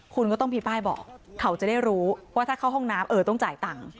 คุณก็ต้องมีป้ายบอกเขาจะได้รู้ว่าถ้าเข้าห้องน้ำเออต้องจ่ายตังค์